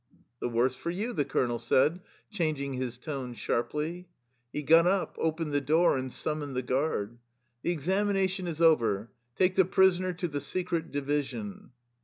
" The worse for you," the colonel said, chang ing his tone sharply. He got up, opened the door, and summoned the guard. " The examination is over. Take the prisoner to the secret division."